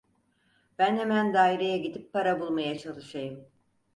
Ben hemen daireye gidip para bulmaya çalışayım!